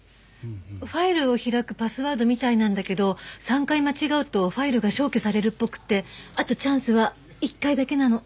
ファイルを開くパスワードみたいなんだけど３回間違うとファイルが消去されるっぽくてあとチャンスは１回だけなの。